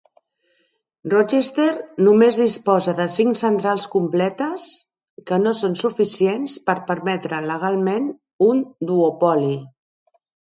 Rochester només disposa de cinc centrals completes, que no són suficients per permetre legalment un duopoli.